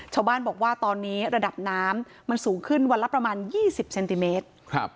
ชาวบ้านบอกว่าตอนนี้ระดับน้ำมันสูงขึ้นวันละประมาณ๒๐เซนติเมตร